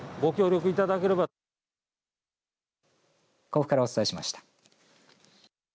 甲府からお伝えしました。